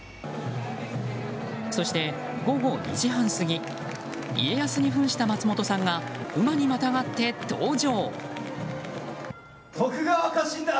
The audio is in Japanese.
そして、午後２時半過ぎ家康に扮した松本さんが馬にまたがって登場。